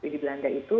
di belanda itu